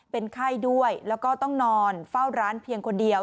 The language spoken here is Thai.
เป็นไข้ด้วยแล้วก็ต้องนอนเฝ้าร้านเพียงคนเดียว